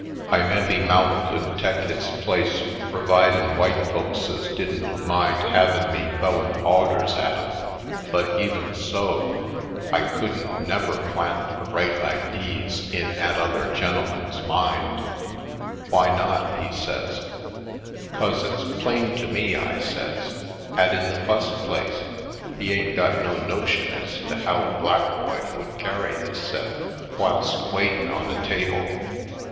I mebbe mout could tek his place pervidin' w'ite f olkses didn't mind havin' me th'owin' awders at 'em, but even so, I couldn't never plant the right idees in 'at other gen'el man's mind." "Why not?" he says. Movie Land 131 " 'Cause it's plain to me," I says, *' 'at in the fust place he ain't got no notion ez to how a black boy would carry hisse'f whilst waitin' on a table.